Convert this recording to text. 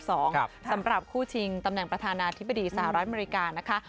สำหรับคู่ชิงตำแหน่งประธานาธิบดีสหรัฐอเมริกานะคะ